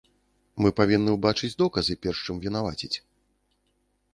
Мы павінны ўбачыць доказы, перш чым вінаваціць.